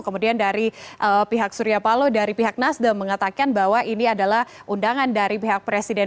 kemudian dari pihak surya palo dari pihak nasdem mengatakan bahwa ini adalah undangan dari pihak presiden